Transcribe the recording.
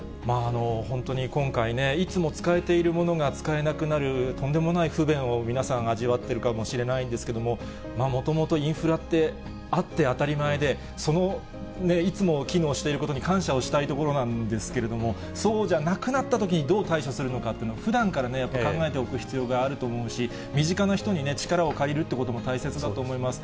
本当に今回ね、いつも使えているものが使えなくなる、とんでもない不便を皆さん、味わってるかもしれないんですけれども、もともとインフラって、あって当たり前で、その、いつも機能していることに感謝をしたいところなんですけれども、そうじゃなくなったときに、どう対処するのかっていうのは、ふだんから考えておく必要があると思うし、身近な人に力を借りるってことも大切だと思います。